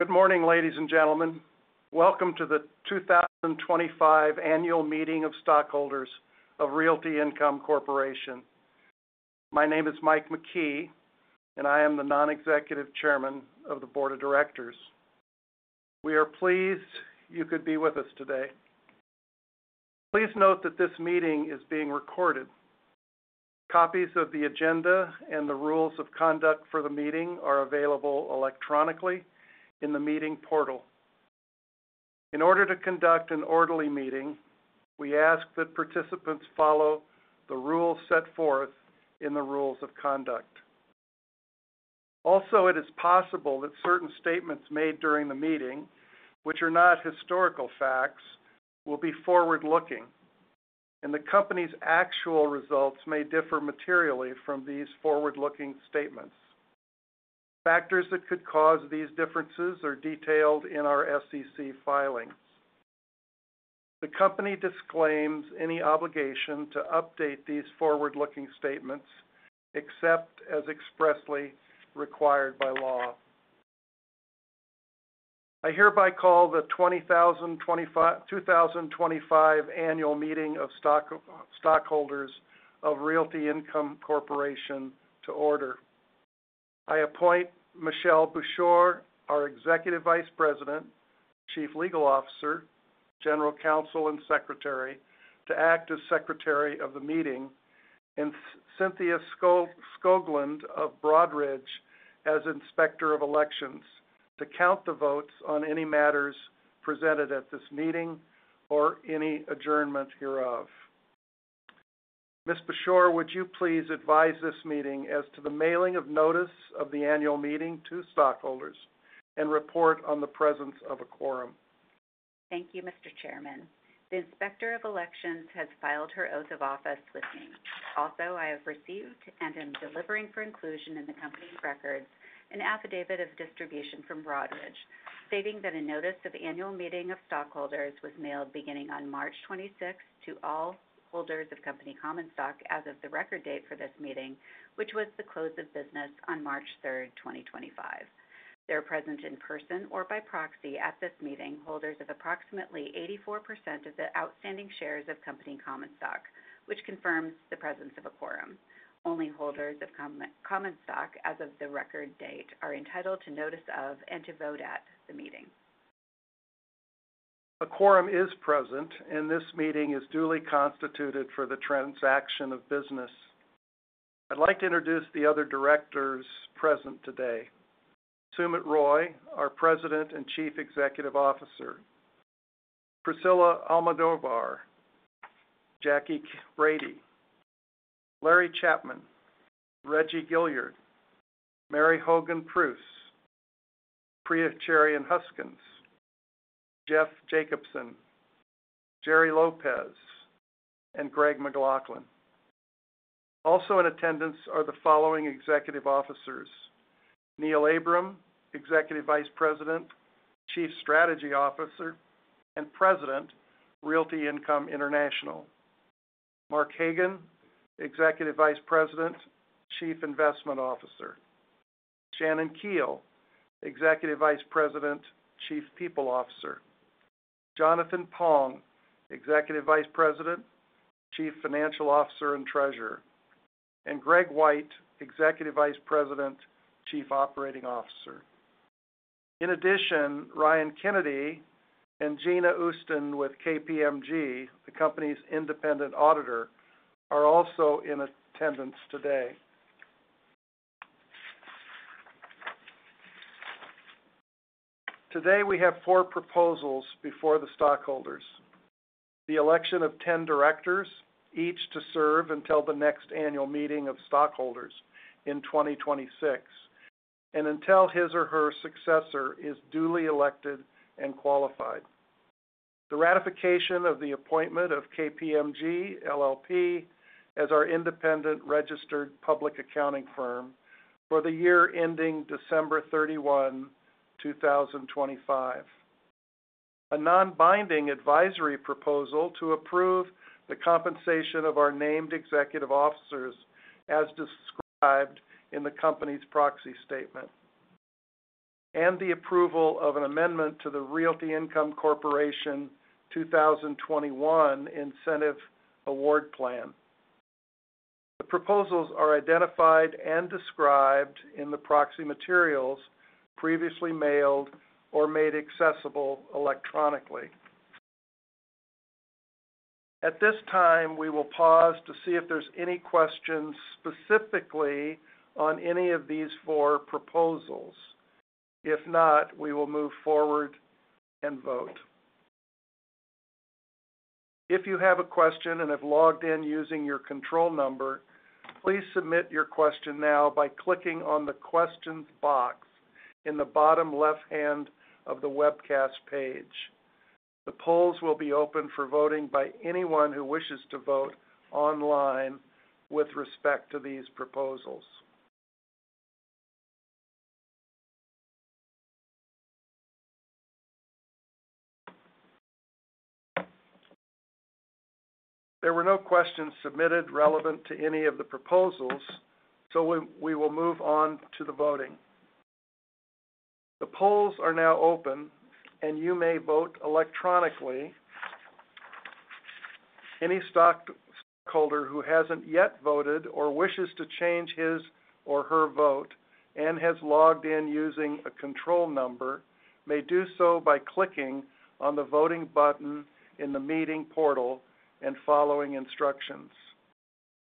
Good morning, ladies and gentlemen. Welcome to the 2025 Annual Meeting of Stockholders of Realty Income Corporation. My name is Mike McKee, and I am the Non-Executive Chairman of the Board of Directors. We are pleased you could be with us today. Please note that this meeting is being recorded. Copies of the agenda and the rules of conduct for the meeting are available electronically in the meeting portal. In order to conduct an orderly meeting, we ask that participants follow the rules set forth in the rules of conduct. Also, it is possible that certain statements made during the meeting, which are not historical facts, will be forward-looking, and the company's actual results may differ materially from these forward-looking statements. Factors that could cause these differences are detailed in our SEC filings. The company disclaims any obligation to update these forward-looking statements except as expressly required by law. I hereby call the 2025 Annual Meeting of Stockholders of Realty Income Corporation to order. I appoint Michelle Bushore, our Executive Vice President, Chief Legal Officer, General Counsel, and Secretary to act as Secretary of the Meeting, and Cynthia Skoglund of Broadridge as Inspector of Elections to count the votes on any matters presented at this meeting or any adjournment hereof. Ms. Bushore, would you please advise this meeting as to the mailing of notice of the annual meeting to stockholders and report on the presence of a quorum? Thank you, Mr. Chairman. The Inspector of Elections has filed her oath of office with me. Also, I have received and am delivering for inclusion in the company's records an affidavit of distribution from Broadridge, stating that a notice of annual meeting of stockholders was mailed beginning on March 26 to all holders of Company Common Stock as of the record date for this meeting, which was the close of business on March 3, 2025. There are present in person or by proxy at this meeting holders of approximately 84% of the outstanding shares of Company Common Stock, which confirms the presence of a quorum. Only holders of Common Stock as of the record date are entitled to notice of and to vote at the meeting. A quorum is present, and this meeting is duly constituted for the transaction of business. I'd like to introduce the other directors present today: Sumit Roy, our President and Chief Executive Officer, Priscilla Almodovar, Jackie Brady. Larry Chapman, Reggie Gilyard, Mary Hogan Preusse, Priya Cherian Huskins; Jeff Jacobson; Gerry Lopez; and Greg McLaughlin. Also in attendance are the following Executive Officers: Neil Abraham, Executive Vice President, Chief Strategy Officer, and President, Realty Income International, Mark Hagan, Executive Vice President, Chief Investment Officer, Shannon Keel, Executive Vice President, Chief People Officer, Jonathan Pong, Executive Vice President, Chief Financial Officer and Treasurer and Greg Whyte, Executive Vice President, Chief Operating Officer. In addition, Ryan Kennedy and Gina Austin with KPMG, the company's independent auditor, are also in attendance today. Today, we have four proposals before the stockholders: the election of 10 directors, each to serve until the next annual meeting of stockholders in 2026, and until his or her successor is duly elected and qualified. The ratification of the appointment of KPMG LLP as our independent registered public accounting firm for the year ending December 31, 2025. A non-binding advisory proposal to approve the compensation of our named executive officers as described in the company's proxy statement. And the approval of an amendment to the Realty Income Corporation 2021 Incentive Award Plan. The proposals are identified and described in the proxy materials previously mailed or made accessible electronically. At this time, we will pause to see if there's any questions specifically on any of these four proposals. If not, we will move forward and vote. If you have a question and have logged in using your control number, please submit your question now by clicking on the Questions box in the bottom left-hand of the webcast page. The polls will be open for voting by anyone who wishes to vote online with respect to these proposals. There were no questions submitted relevant to any of the proposals, so we will move on to the voting. The polls are now open, and you may vote electronically. Any stockholder who has not yet voted or wishes to change his or her vote and has logged in using a control number may do so by clicking on the voting button in the meeting portal and following instructions.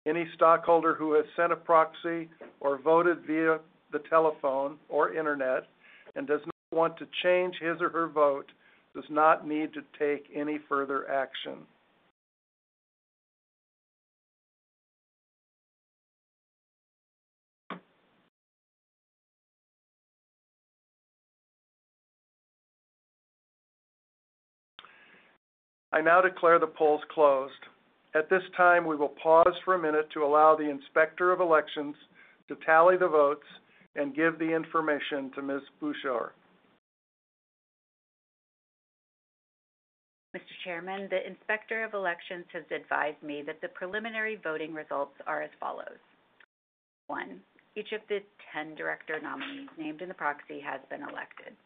Any stockholder who has sent a proxy or voted via the telephone or internet and does not want to change his or her vote does not need to take any further action. I now declare the polls closed. At this time, we will pause for a minute to allow the Inspector of Elections to tally the votes and give the information to Ms. Bushore. Mr. Chairman, the Inspector of Elections has advised me that the preliminary voting results are as follows: One, each of the 10 director nominees named in the proxy has been elected.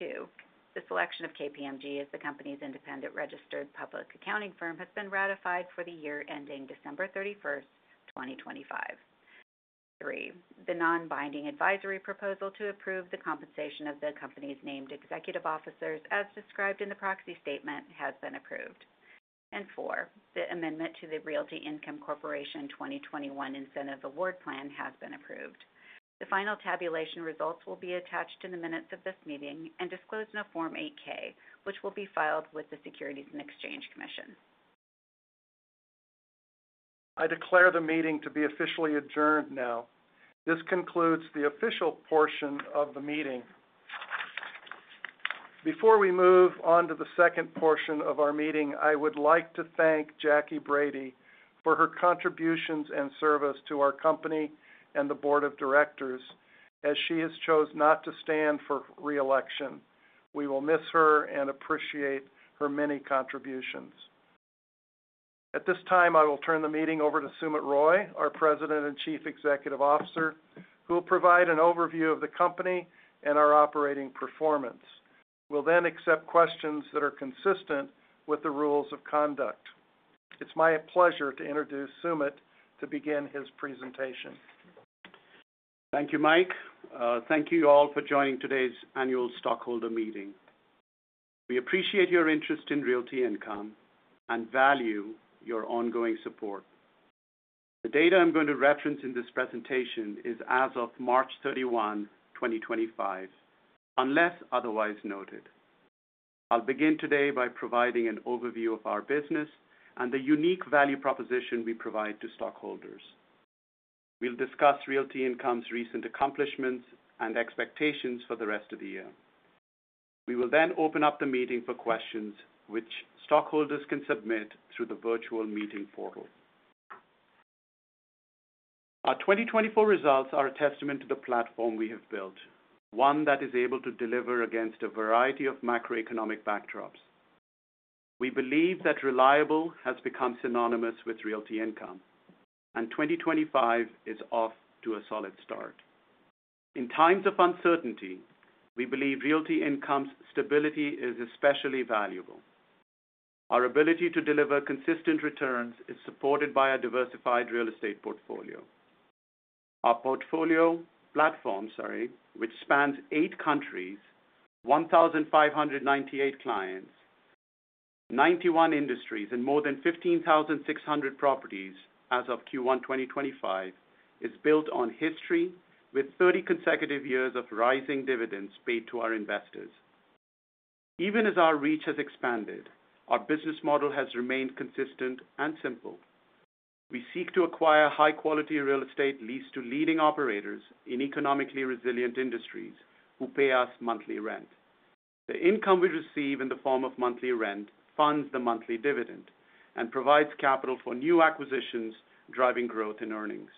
Two, the selection of KPMG as the company's independent registered public accounting firm has been ratified for the year ending December 31, 2025. Three, the non-binding advisory proposal to approve the compensation of the company's named executive officers, as described in the proxy statement, has been approved. Four, the amendment to the Realty Income Corporation 2021 Incentive Award Plan has been approved. The final tabulation results will be attached in the minutes of this meeting and disclosed in a Form 8-K, which will be filed with the Securities and Exchange Commission. I declare the meeting to be officially adjourned now. This concludes the official portion of the meeting. Before we move on to the second portion of our meeting, I would like to thank Jackie Brady for her contributions and service to our company and the Board of Directors, as she has chosen not to stand for reelection. We will miss her and appreciate her many contributions. At this time, I will turn the meeting over to Sumit Roy, our President and Chief Executive Officer, who will provide an overview of the company and our operating performance. We'll then accept questions that are consistent with the rules of conduct. It's my pleasure to introduce Sumit to begin his presentation. Thank you, Mike. Thank you all for joining today's Annual Stockholder Meeting. We appreciate your interest in Realty Income and value your ongoing support. The data I'm going to reference in this presentation is as of March 31, 2025, unless otherwise noted. I'll begin today by providing an overview of our business and the unique value proposition we provide to stockholders. We'll discuss Realty Income's recent accomplishments and expectations for the rest of the year. We will then open up the meeting for questions, which stockholders can submit through the virtual meeting portal. Our 2024 results are a testament to the platform we have built, one that is able to deliver against a variety of macroeconomic backdrops. We believe that reliable has become synonymous with Realty Income, and 2025 is off to a solid start. In times of uncertainty, we believe Realty Income's stability is especially valuable. Our ability to deliver consistent returns is supported by our diversified real estate portfolio. Our portfolio platform, sorry, which spans eight countries, 1,598 clients, 91 industries, and more than 15,600 properties as of Q1 2025, is built on history with 30 consecutive years of rising dividends paid to our investors. Even as our reach has expanded, our business model has remained consistent and simple. We seek to acquire high-quality real estate leased to leading operators in economically resilient industries who pay us monthly rent. The income we receive in the form of monthly rent funds the monthly dividend and provides capital for new acquisitions, driving growth in earnings.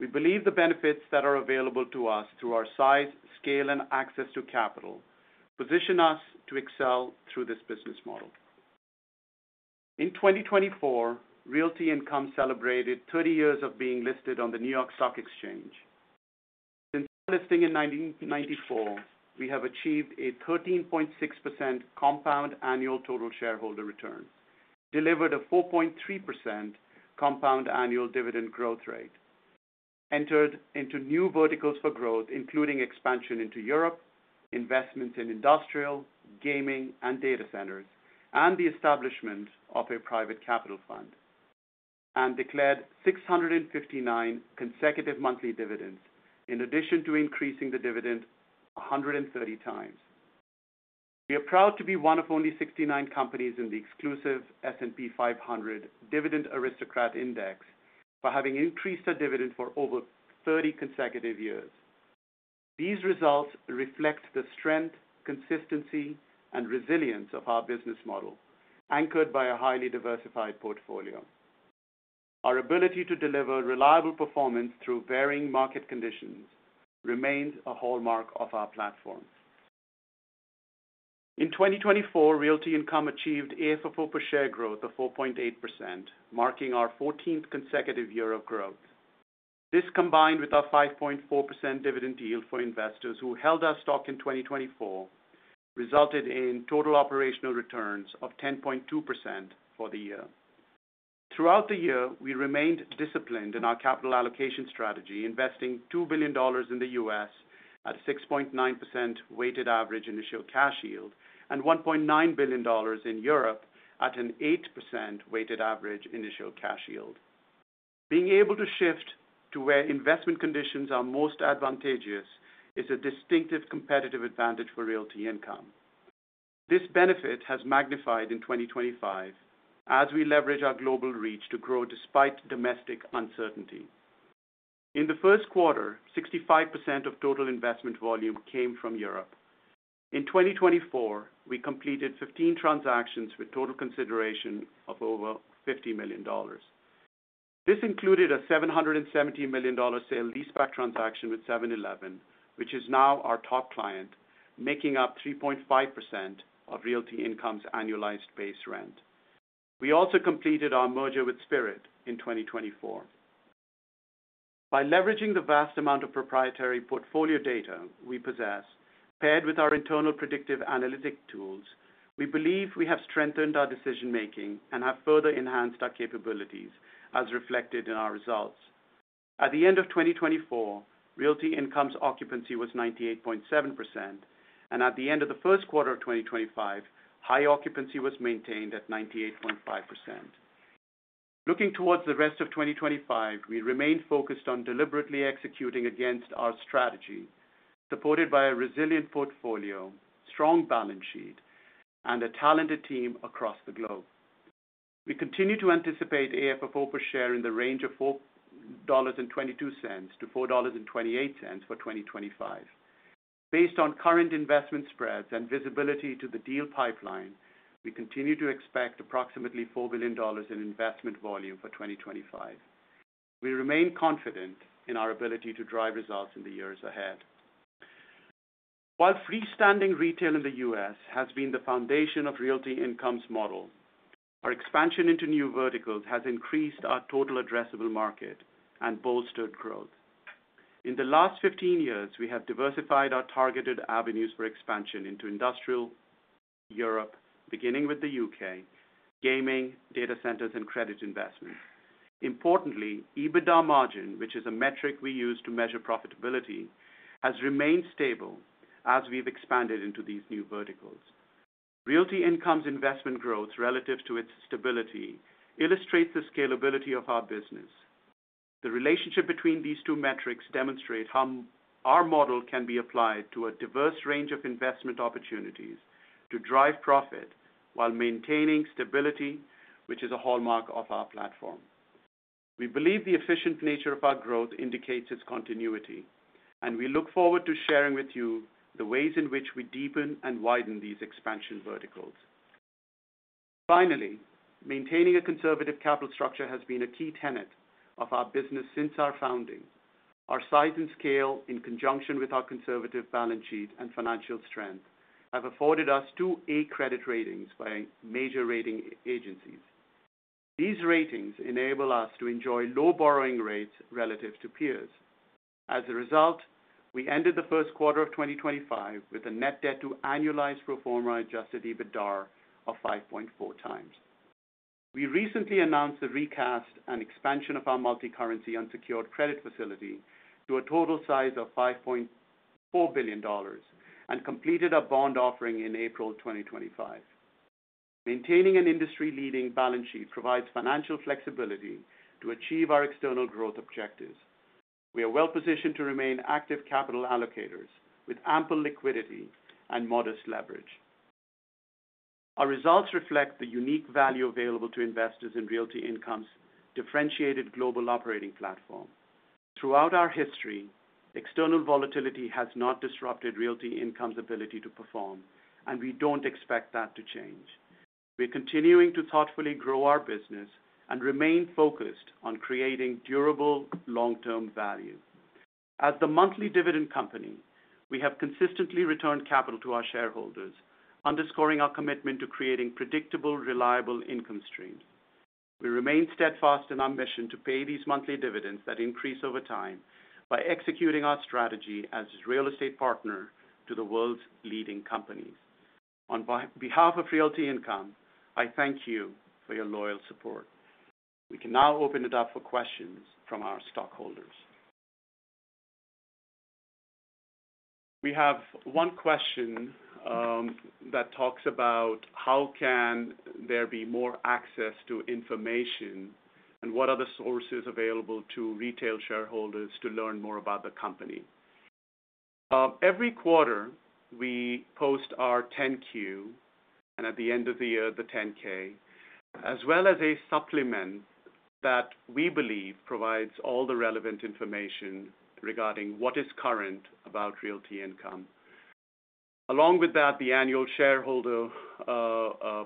We believe the benefits that are available to us through our size, scale, and access to capital position us to excel through this business model. In 2024, Realty Income celebrated 30 years of being listed on the New York Stock Exchange. Since our listing in 1994, we have achieved a 13.6% compound annual total shareholder return, delivered a 4.3% compound annual dividend growth rate, entered into new verticals for growth, including expansion into Europe, investments in industrial, gaming, and data centers, and the establishment of a private capital fund, and declared 659 consecutive monthly dividends, in addition to increasing the dividend 130 time. We are proud to be one of only 69 companies in the exclusive S&P 500 Dividend Aristocrat Index for having increased our dividend for over 30 consecutive years. These results reflect the strength, consistency, and resilience of our business model, anchored by a highly diversified portfolio. Our ability to deliver reliable performance through varying market conditions remains a hallmark of our platform. In 2024, Realty Income achieved AFFO per share growth 4.8%, marking our 14th consecutive year of growth. This, combined with our 5.4% dividend yield for investors who held our stock in 2024, resulted in total operational returns of 10.2% for the year. Throughout the year, we remained disciplined in our capital allocation strategy, investing $2 billion in the U.S. at a 6.9% weighted average initial cash yield and $1.9 billion in Europe at an 8% weighted average initial cash yield. Being able to shift to where investment conditions are most advantageous is a distinctive competitive advantage for Realty Income. This benefit has magnified in 2025 as we leverage our global reach to grow despite domestic uncertainty. In the first quarter, 65% of total investment volume came from Europe. In 2024, we completed 15 transactions with total consideration of over $50 million. This included a $770 million sale-leaseback transaction with 7-Eleven, which is now our top client, making up 3.5% of Realty Income's annualized base rent. We also completed our merger with Spirit in 2024. By leveraging the vast amount of proprietary portfolio data we possess, paired with our internal predictive analytic tools, we believe we have strengthened our decision-making and have further enhanced our capabilities, as reflected in our results. At the end of 2024, Realty Income's occupancy was 98.7%, and at the end of the first quarter of 2025, high occupancy was maintained at 98.5%. Looking towards the rest of 2025, we remain focused on deliberately executing against our strategy, supported by a resilient portfolio, strong balance sheet, and a talented team across the globe. We continue to anticipate AFFO per share in the range of $4.22-$4.28 for 2025. Based on current investment spreads and visibility to the deal pipeline, we continue to expect approximately $4 billion in investment volume for 2025. We remain confident in our ability to drive results in the years ahead. While freestanding retail in the U.S. has been the foundation of Realty Income's model, our expansion into new verticals has increased our total addressable market and bolstered growth. In the last 15 years, we have diversified our targeted avenues for expansion into industrial, Europe, beginning with the U.K., gaming, data centers, and credit investments. Importantly, EBITDA margin, which is a metric we use to measure profitability, has remained stable as we've expanded into these new verticals. Realty Income's investment growth, relative to its stability, illustrates the scalability of our business. The relationship between these two metrics demonstrates how our model can be applied to a diverse range of investment opportunities to drive profit while maintaining stability, which is a hallmark of our platform. We believe the efficient nature of our growth indicates its continuity, and we look forward to sharing with you the ways in which we deepen and widen these expansion verticals. Finally, maintaining a conservative capital structure has been a key tenet of our business since our founding. Our size and scale, in conjunction with our conservative balance sheet and financial strength, have afforded us two A credit ratings by major rating agencies. These ratings enable us to enjoy low borrowing rates relative to peers. As a result, we ended the first quarter of 2025 with a net debt to annualized pro forma adjusted EBITDA of 5.4x. We recently announced the recast and expansion of our multi-currency unsecured credit facility to a total size of $5.4 billion and completed our bond offering in April 2025. Maintaining an industry-leading balance sheet provides financial flexibility to achieve our external growth objectives. We are well-positioned to remain active capital allocators with ample liquidity and modest leverage. Our results reflect the unique value available to investors in Realty Income's differentiated global operating platform. Throughout our history, external volatility has not disrupted Realty Income's ability to perform, and we do not expect that to change. We are continuing to thoughtfully grow our business and remain focused on creating durable long-term value. As the monthly dividend company, we have consistently returned capital to our shareholders, underscoring our commitment to creating predictable, reliable income streams. We remain steadfast in our mission to pay these monthly dividends that increase over time by executing our strategy as a real estate partner to the world's leading companies. On behalf of Realty Income, I thank you for your loyal support. We can now open it up for questions from our stockholders. We have one question that talks about how can there be more access to information and what are the sources available to retail shareholders to learn more about the company. Every quarter, we post our 10-Q and at the end of the year, the 10-K, as well as a supplement that we believe provides all the relevant information regarding what is current about Realty Income. Along with that, the annual shareholder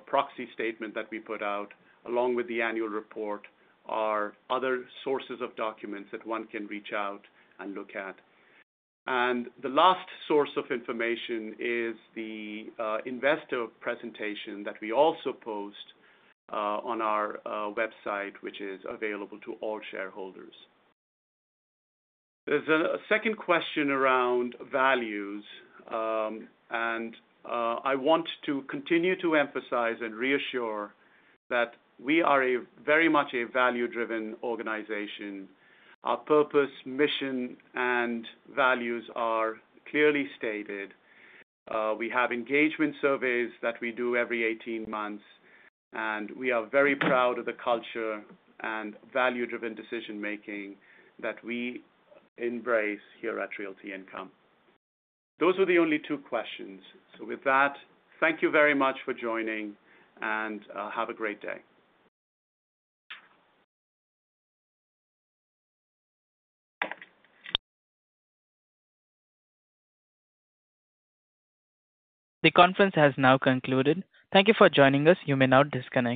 proxy statement that we put out, along with the annual report, are other sources of documents that one can reach out and look at. The last source of information is the investor presentation that we also post on our website, which is available to all shareholders. There's a second question around values, and I want to continue to emphasize and reassure that we are very much a value-driven organization. Our purpose, mission, and values are clearly stated. We have engagement surveys that we do every 18 months, and we are very proud of the culture and value-driven decision-making that we embrace here at Realty Income. Those were the only two questions. With that, thank you very much for joining, and have a great day. The conference has now concluded. Thank you for joining us. You may now disconnect.